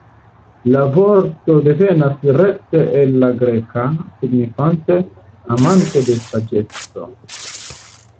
La vorto devenas rekte el la greka signifante "Amanto de saĝeco".